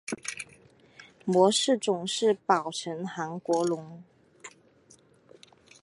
模式种是宝城韩国龙。